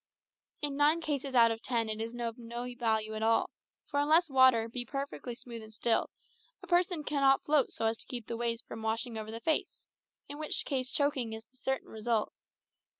In nine cases out of ten it is of no value at all; for unless water be perfectly smooth and still, a person cannot float so as to keep the waves from washing over the face, in which case choking is the certain result.